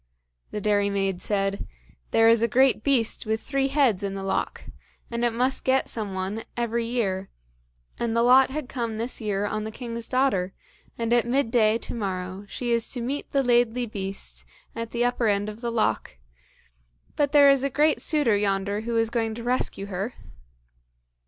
The dairymaid said, "There is a great beast with three heads in the loch, and it must get some one every year, and the lot had come this year on the king's daughter, and at midday to morrow she is to meet the Laidly Beast at the upper end of the loch, but there is a great suitor yonder who is going to rescue her."